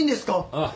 ああ。